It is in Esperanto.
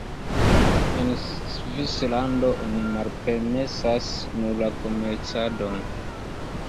En Svislando, oni malpermesas nur la komercadon.